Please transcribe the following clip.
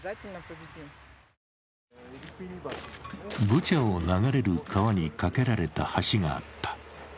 ブチャを流れる川に架けられた橋があった。